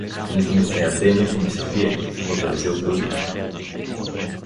Нито ми се яде, нито ми се пие — възразил други.